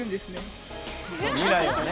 未来はね。